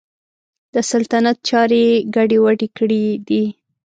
د سلطنت چارې یې ګډې وډې کړي دي.